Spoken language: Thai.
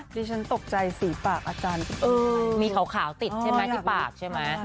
ดิฉันตกใจสีปากอาจารย์มีขาวติดใช่ไหมที่ปากใช่ไหม